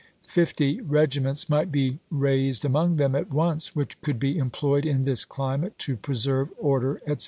Fifty regiments might be raised r a dI^^s, among them at once which could be employed l862!°w^R. in this climate to preserve order," etc.